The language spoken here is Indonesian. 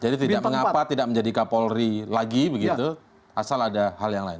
jadi tidak mengapa tidak menjadi kapolri lagi begitu asal ada hal yang lain